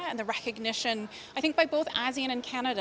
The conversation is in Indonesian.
dan pengenalan saya pikir oleh asean dan kanada